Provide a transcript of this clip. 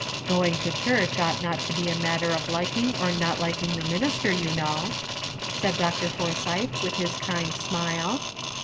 '' Going to church ought not to be a matter of liking or not liking the minister, you know," said Dr. Forsythe, with his kind smile.